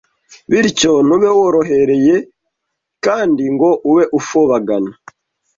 Bityo, ntube worohereye kandi ngo ube ufobagana.